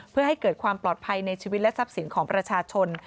เพื่อให้เกิดความปลอดภัยในชีวิตและทรัพย์สินของประชาชน